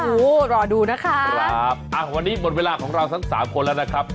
โอ้โหรอดูนะคะครับอ่ะวันนี้หมดเวลาของเราทั้งสามคนแล้วนะครับ